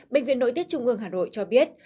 bệnh viện nội tiết trung ương hà nội cho biết